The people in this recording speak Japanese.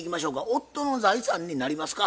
夫の財産になりますか？